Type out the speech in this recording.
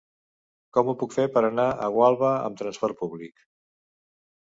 Com ho puc fer per anar a Gualba amb trasport públic?